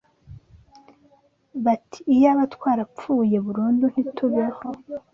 bati iyaba twarapfuye burundu ntitubeho